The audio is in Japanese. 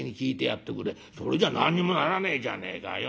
「それじゃ何にもならねえじゃねえかよ。